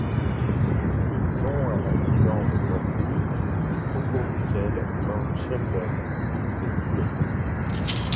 Ils ont un accident de voiture au cours duquel Lord Sheldon est tué.